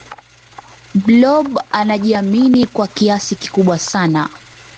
blob anajiamini kwa kiasi kikubwa sana